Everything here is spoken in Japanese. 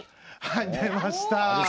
はい出ました。